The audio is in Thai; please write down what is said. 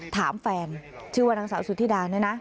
ถามแฟนชื่อว่านางสาวสุธิดาเนี่ยนะ